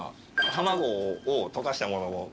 卵を溶かしたものを。